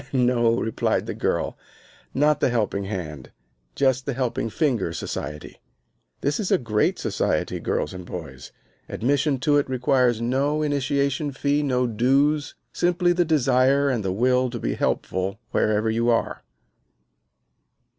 "No," replied the girl, "not the helping hand, just the helping finger society." This is a great society, girls and boys. Admission to it requires no initiation fee, no dues, simply the desire and the will to be helpful wherever you are.